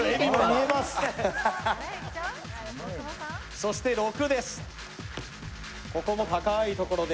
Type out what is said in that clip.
そして６です。